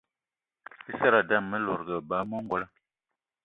I seradé ame lòdgì eba eme ongolo.